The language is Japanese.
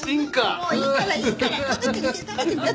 もういいからいいから食べてみて食べてみて。